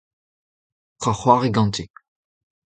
Petra a c'hoari ganti ?